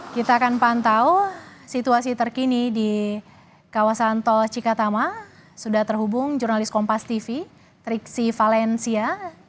kita akan pantau situasi terkini di kawasan tol cikatama sudah terhubung jurnalis kompas tv triksi valencia